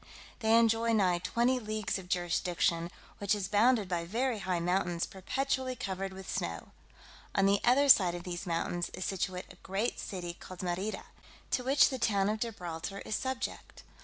They enjoy nigh twenty leagues of jurisdiction, which is bounded by very high mountains perpetually covered with snow. On the other side of these mountains is situate a great city called Merida, to which the town of Gibraltar is subject.